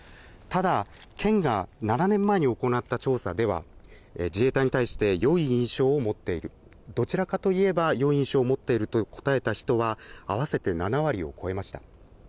ただ、県が７年前に行った調査では、自衛隊に対してよい印象を持っている、どちらかといえばよい印象を持っていると答えた人は合わせて７割を超えました。